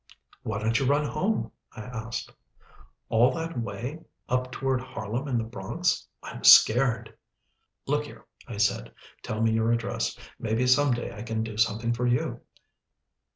"Why don't you run home?" I asked. "All that way up toward Harlem and the Bronx I'm scared." "Look here," I said, "tell me your address. Maybe some day I can do something for you."